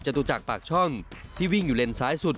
จตุจักรปากช่องที่วิ่งอยู่เลนซ้ายสุด